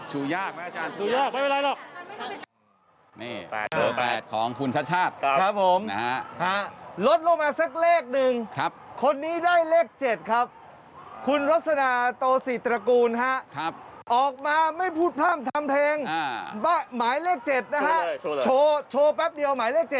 เหลือ๘ของคุณชัดครับผมลดลงมาสักเลขหนึ่งคนนี้ได้เลข๗ครับคุณรสนาโตศีตระกูลครับออกมาไม่พูดพร่ำทำเพลงหมายเลข๗นะครับโชว์แป๊บเดียวหมายเลข๗